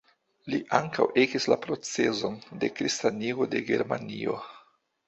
Li ankaŭ ekis la procezon de kristanigo de Germanio.